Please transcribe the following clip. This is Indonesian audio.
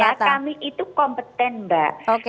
ya kami itu kompeten mbak